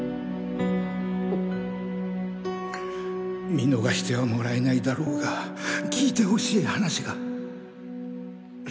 見逃してはもらえないだろうが聞いて欲しい話が。